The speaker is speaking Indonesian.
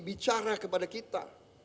bicara kepada kita